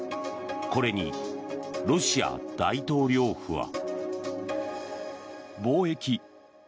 これにロシア大統領府は。